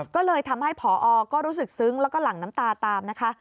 ก็เลยทำให้ผอก็รู้สึกซึ้งแล้วก็หลั่งน้ำตาตามนะคะ